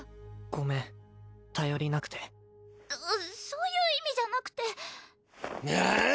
ごめん頼りなくてそういう意味じゃなくてああ！